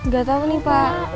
gak tau nih pak